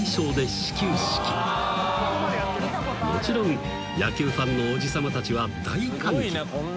［もちろん野球ファンのおじさまたちは大歓喜］